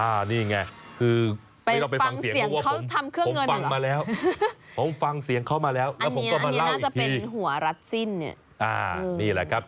อ่านี่ไงคือ